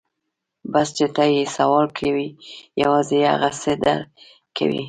بس چې ته يې سوال کوې يوازې هغه څه در کوي.